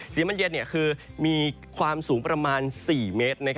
สีมันเย็นคือมีความสูงประมาณ๔เมตร